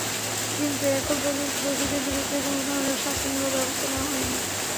কিন্তু এখন পর্যন্ত দোষীদের বিরুদ্ধে কোনো ধরনের শাস্তিমূলক ব্যবস্থা নেওয়া হয়নি।